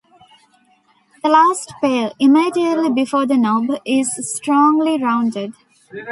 The last pair, immediately before the knob, is strongly rounded.